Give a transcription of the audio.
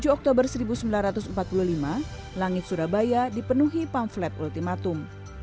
tujuh oktober seribu sembilan ratus empat puluh lima langit surabaya dipenuhi pamflet ultimatum